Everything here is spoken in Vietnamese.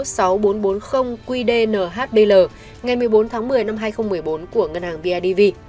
số sáu nghìn bốn trăm bốn mươi qdnhbl ngày một mươi bốn tháng một mươi năm hai nghìn một mươi bốn của ngân hàng bidv